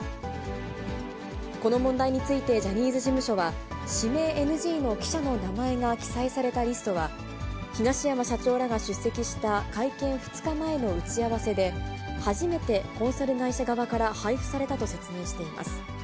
この問題についてジャニーズ事務所は、指名ＮＧの記者の名前が記載されたリストは、東山社長らが出席した会見２日前の打ち合わせで、初めてコンサル会社側から配布されたと説明しています。